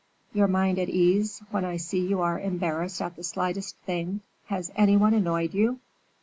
"Your mind at ease, when I see you are embarrassed at the slightest thing. Has any one annoyed you?"